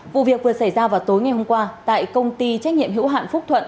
vụ việc vừa xảy ra vào tối ngày hôm qua tại công ty trách nhiệm hữu hạn phúc thuận